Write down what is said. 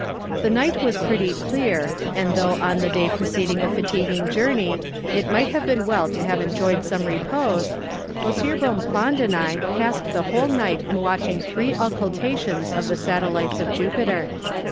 The night was pretty clear, and though on the day pre¬ ceding a fatiguing journey, it might have been well to have enjoyed some repose, M. Bonpland and I passed the whole night in watching three occultations of the satellites of Jupiter.